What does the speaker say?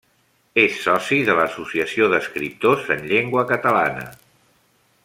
És soci de l’Associació d’Escriptors en Llengua Catalana.